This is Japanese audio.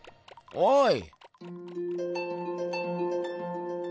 おい！